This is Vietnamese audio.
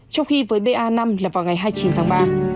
trong khi với ba năm là vào ngày hai mươi chín tháng ba